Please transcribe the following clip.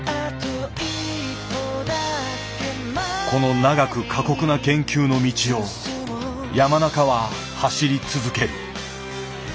この長く過酷な研究の道を山中は走り続ける。